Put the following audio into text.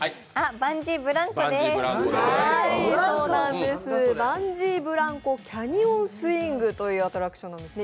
バンジーブランコキャニオンスイングというアトラクションですね。